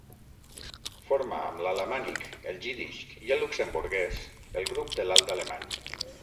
Forma amb l'alamànic, el jiddisch i el luxemburguès el grup de l'alt alemany.